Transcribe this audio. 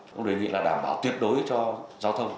ông đề nghị là đảm bảo tuyệt đối cho giao thông